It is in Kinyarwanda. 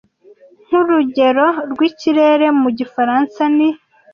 Nkurugero rwikirere, mu gifaransa ni